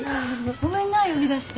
ごめんな呼び出して。